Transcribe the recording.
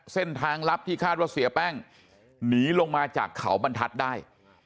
เส้นทางลับที่คาดว่าเสียแป้งหนีลงมาจากเขาบรรทัศน์ได้